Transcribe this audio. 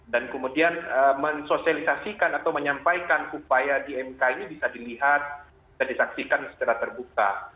dan kemudian mensosialisasikan atau menyampaikan upaya di mk ini bisa dilihat dan ditaksikan secara terbuka